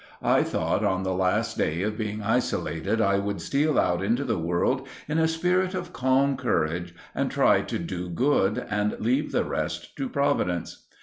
I thought on the last day of being isolated I would steal out into the world in a spirit of calm courage, and try to do good, and leave the rest to Providence.